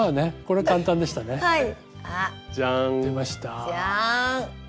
はい。